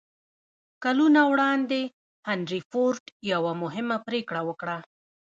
کلونه وړاندې هنري فورډ يوه مهمه پرېکړه وکړه.